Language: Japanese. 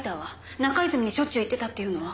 中泉にしょっちゅう行ってたっていうのは？